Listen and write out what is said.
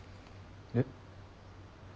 えっ？